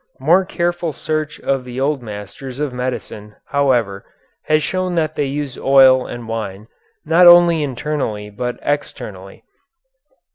More careful search of the old masters of medicine, however, has shown that they used oil and wine not only internally but externally.